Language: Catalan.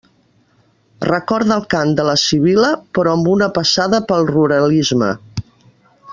Recorda el cant de la Sibil·la, però amb una passada pel ruralisme.